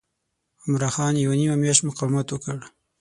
عمرا خان یوه نیمه میاشت مقاومت وکړ.